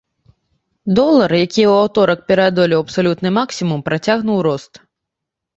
Долар, які ў аўторак пераадолеў абсалютны максімум, працягнуў рост.